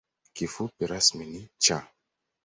Kifupi rasmi ni ‘Cha’.